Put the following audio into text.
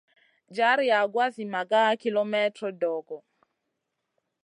Jar yagoua zi maga kilemètre dogo.